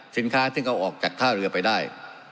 สินค้าซึ่งเอาออกจากท่าเรือไปได้